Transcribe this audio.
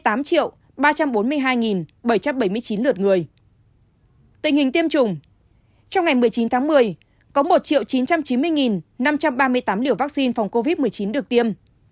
tình hình tiêm chủng trong ngày một mươi chín tháng một mươi có một chín trăm chín mươi năm trăm ba mươi tám liều vaccine phòng covid một mươi chín được tiêm